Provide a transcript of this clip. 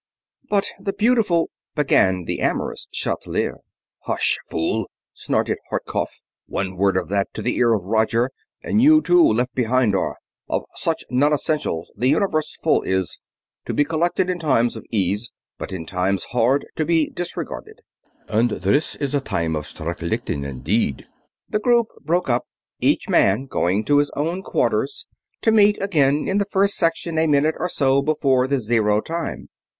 "But the beautiful ..." began the amorous Chatelier. "Hush, fool!" snorted Hartkopf. "One word of that to the ear of Roger and you too left behind are. Of such non essentials the Universe full is, to be collected in times of ease, but in times hard to be disregarded. Und this is a time of schrecklichkeit indeed!" The group broke up, each man going to his own quarters; to meet again in the First Section a minute or so before the zero time.